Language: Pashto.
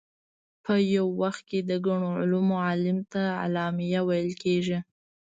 په یو وخت کې د ګڼو علومو عالم ته علامه ویل کېږي.